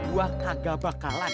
gua kagak bakalan